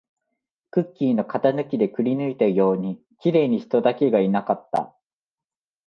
クッキーの型抜きでくりぬいたように、綺麗に人だけがいなかった